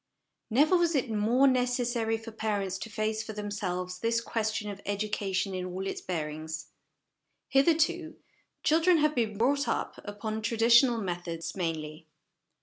Never was it more necessary for parents to face for themselves this question of education in all its bearings. Hitherto, children have been brought up upon traditional methods mainly.